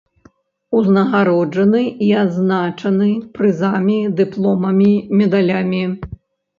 Узнагароджаны і адзначаны прызамі, дыпломамі, медалямі.